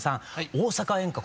「大阪演歌」